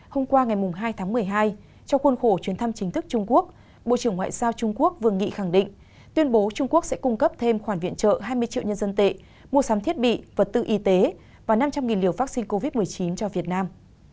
hôm qua ngày hai tháng một mươi hai trong khuôn khổ chuyến thăm chính thức trung quốc bộ trưởng ngoại giao trung quốc vương nghị khẳng định tuyên bố trung quốc sẽ cung cấp thêm khoản viện trợ hai mươi triệu nhân dân tệ mua sắm thiết bị vật tư y tế và năm trăm linh liều vaccine covid một mươi chín cho việt nam